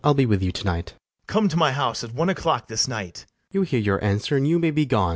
I'll be with you to night. BARABAS. Come to my house at one o'clock this night. FRIAR JACOMO. You hear your answer, and you may be gone.